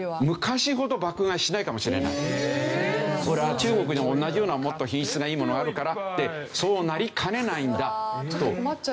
中国に同じようなもっと品質がいいものあるからってそうなりかねないんだという事ですよね。